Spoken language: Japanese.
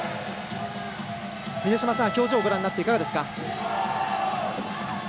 峰島さん、表情をご覧になっていかがですか？